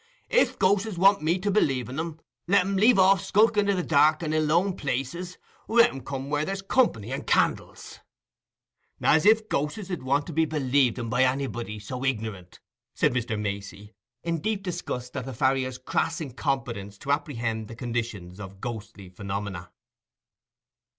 If ghos'es want me to believe in 'em, let 'em leave off skulking i' the dark and i' lone places—let 'em come where there's company and candles." "As if ghos'es 'ud want to be believed in by anybody so ignirant!" said Mr. Macey, in deep disgust at the farrier's crass incompetence to apprehend the conditions of ghostly phenomena.